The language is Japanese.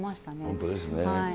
本当ですね。